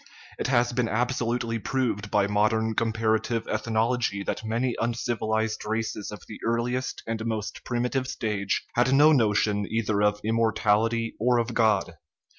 It has been absolutely proved by modern comparative ethnology that many uncivilized races of the earliest and most primitive stage had no notion either of immortality or of God.